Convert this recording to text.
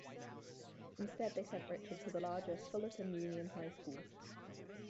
Instead, they sent Richard to the larger Fullerton Union High School.